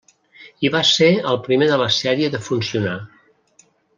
I va ser el primer de la sèrie de funcionar.